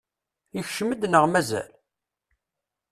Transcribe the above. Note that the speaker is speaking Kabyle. Ikcem-d neɣ mazal?